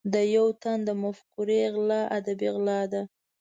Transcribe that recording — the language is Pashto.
د یو تن د مفکورې غلا ادبي غلا ده.